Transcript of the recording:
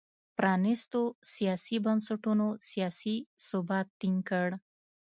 پرانیستو سیاسي بنسټونو سیاسي ثبات ټینګ کړ.